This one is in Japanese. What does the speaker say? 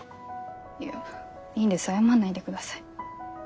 いやいいんです謝んないでください。